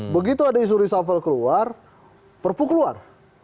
begitu ada isu reshuffle keluar perpu keluar